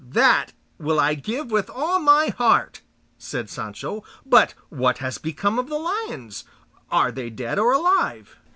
"That will I give with all my heart," said Sancho; "but what has become of the lions? Are they dead or alive?"